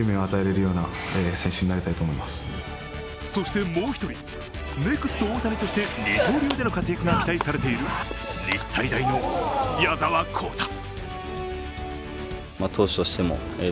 そしてもう一人、ネクスト大谷として二刀流での活躍が期待されている日体大の矢澤宏太。